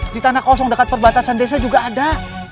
di tanah kosong dekat perbatasan desa juga ada